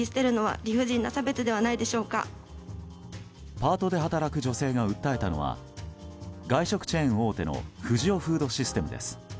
パートで働く女性が訴えたのは外食チェーン大手のフジオフードシステムです。